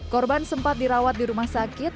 korban sempat dirawat di rumah sakit